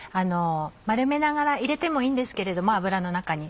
丸めながら入れてもいいんですけれども油の中に。